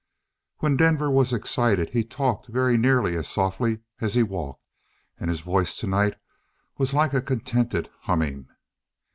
When Denver was excited he talked very nearly as softly as he walked. And his voice tonight was like a contented humming.